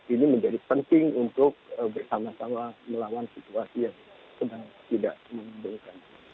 ini menjadi penting untuk bersama sama melawan situasi yang sedang tidak mengembangkan